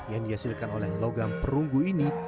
yang dihasilkan oleh logam perunggu ini